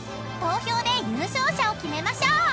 ［投票で優勝者を決めましょう］